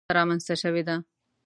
لویه غمیزه رامنځته شوې ده.